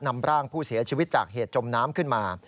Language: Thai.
นำร่างผู้เสียชีวิตจากเหตุจมน้ำขึ้นมา